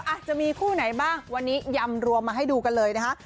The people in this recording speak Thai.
อาจจะมีคู่ไหนบ้างวันนี้ยำรวมมาให้ดูกันเลยนะคะ